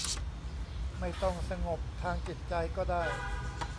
ไม่ต้องสงบทางจิตใจก็ได้